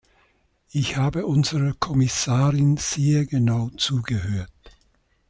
Ich habe unserer Kommissarin sehr genau zugehört.